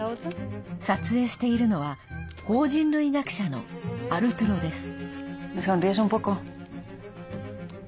撮影しているのは法人類学者のアルトゥロです。